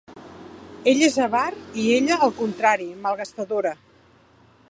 Ell és avar, i ella, al contrari, malgastadora.